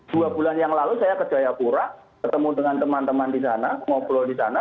dua bulan yang lalu saya ke jayapura ketemu dengan teman teman di sana ngobrol di sana